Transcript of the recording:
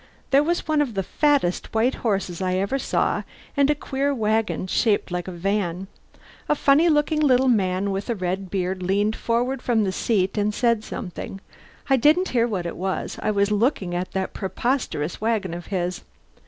There was one of the fattest white horses I ever saw, and a queer wagon, shaped like a van. A funny looking little man with a red beard leaned forward from the seat and said something. I didn't hear what it was, I was looking at that preposterous wagon of his.